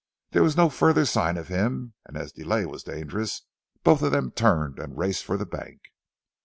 There was no further sign of him, and as delay was dangerous both of them turned and raced for the bank.